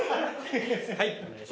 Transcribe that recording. はいお願いします。